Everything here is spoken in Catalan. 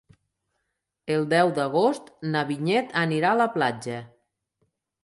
El deu d'agost na Vinyet anirà a la platja.